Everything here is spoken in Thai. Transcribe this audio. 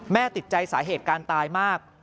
ติดใจสาเหตุการตายมาก